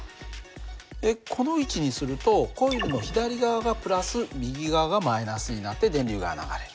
この位置にするとコイルの左側がプラス右側がマイナスになって電流が流れる。